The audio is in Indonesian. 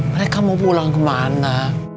mereka mau pulang ke mana